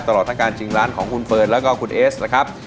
ตลอดทั้งการชิงร้านของคุณเฟิร์นแล้วก็คุณเอสนะครับ